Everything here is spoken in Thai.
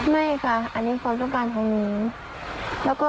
ไม่ค่ะอันนี้คนจบการไม้แล้วก็น่วมเป็นคนจ่ายเอง